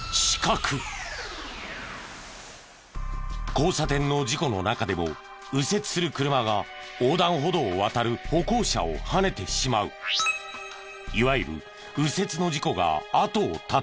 交差点の事故の中でも右折する車が横断歩道を渡る歩行者をはねてしまういわゆる右折の事故が後を絶たない。